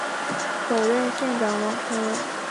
首任县长王成文。